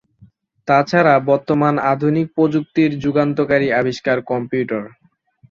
তাছাড়া বর্তমান আধুনিক প্রযুক্তির যুগান্তকারী আবিষ্কার কম্পিউটার।